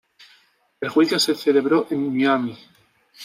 El juicio se celebró en Miami.